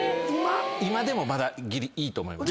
今でもまだいいと思います。